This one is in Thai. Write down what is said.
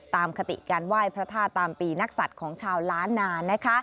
คติการไหว้พระธาตุตามปีนักศัตริย์ของชาวล้านนา